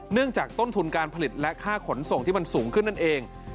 จากต้นทุนการผลิตและค่าขนส่งที่มันสูงขึ้นนั่นเอง